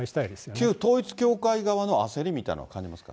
旧統一教会側の焦りみたいなのは感じますか？